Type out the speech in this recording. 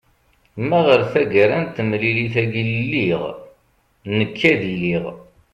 ma ɣer tagara n temlilit-agi lliɣ nekk ad iliɣ